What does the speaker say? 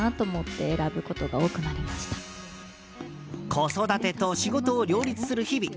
子育てと仕事を両立する日々。